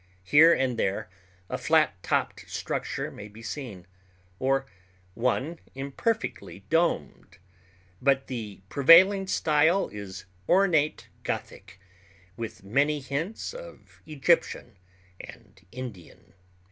Here and there a flat topped structure may be seen, or one imperfectly domed; but the prevailing style is ornate Gothic, with many hints of Egyptian and Indian.